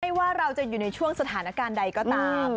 ว่าเราจะอยู่ในช่วงสถานการณ์ใดก็ตาม